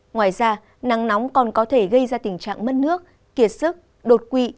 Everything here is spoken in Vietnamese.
ngoài ra nắng nóng còn có thể gây ra tình trạng mất nước kiệt sức đột quỵ